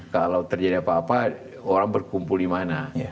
kalau terjadi apa apa orang berkumpul dimana